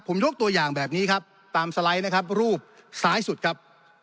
ผมยกตัวอย่างแบบนี้ครับตามสไลด์นะครับรูปซ้ายสุดครับ